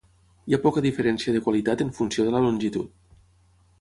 Hi ha poca diferència de qualitat en funció de la longitud.